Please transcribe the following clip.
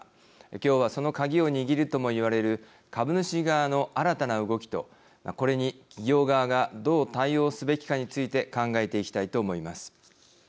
今日は、その鍵を握るとも言われる株主側の新たな動きとこれに企業側がどう対応すべきかについて考えていきたいと思います。